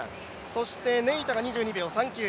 そして、ネイタが２２秒３９。